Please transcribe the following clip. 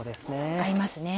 合いますね。